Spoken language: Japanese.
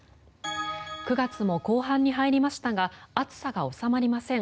９月も後半に入りましたが暑さが収まりません。